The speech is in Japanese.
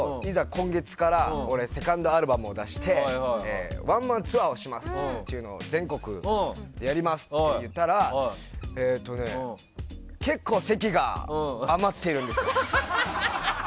今月からセカンドアルバムを出してワンマンツアーをしますと全国やりますと言ったら結構、席が余っているんです。